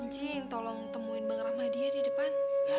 cing tolong temuin bang ramadhi ya di depan